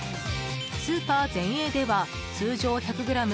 スーパー、ゼンエーでは通常１００ｇ